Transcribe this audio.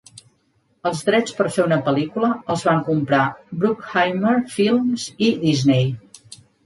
Els drets per fer una pel·lícula els van comprar Bruckheimer Films i Disney.